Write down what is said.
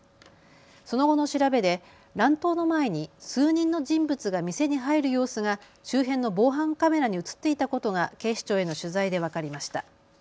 その後の調べで乱闘の前に数人の人物が店に入る様子が周辺の防犯カメラに写っていたことが警視庁への取材で分かりました。